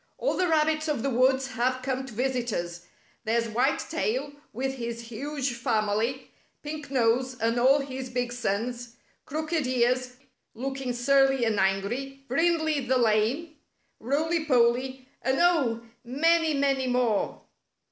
"All the rabbits of the woods have come to visit us. There's White Tail, with his huge family; Pink Nose and all his big sons; Crooked Ears, look ing surly and angry; Brindley the Lame, Roily Polly, and — oh! — ^many, many more!"